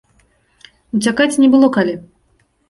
Уцякаць не было калі.